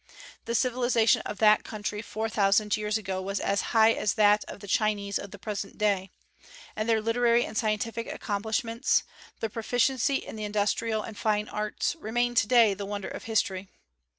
The civilization of that country four thousand years ago was as high as that of the Chinese of the present day; and their literary and scientific accomplishments, their proficiency in the industrial and fine arts, remain to day the wonder of history.